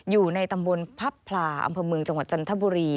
อยู่ในตำบลพับพลาอำเภอเมืองจังหวัดจันทบุรี